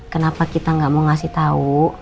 kenapa kita gak mau ngasih tau